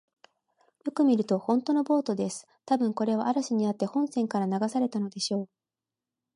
よく見ると、ほんとのボートです。たぶん、これは嵐にあって本船から流されたのでしょう。